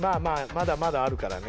まだまだあるからね。